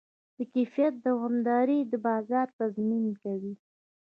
د کیفیت دوامداري د بازار تضمین کوي.